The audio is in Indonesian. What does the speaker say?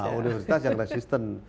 nah universitas yang resisten